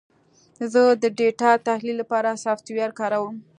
زه د ډیټا تحلیل لپاره سافټویر کاروم.